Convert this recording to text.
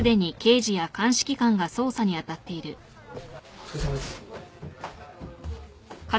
お疲れさまです。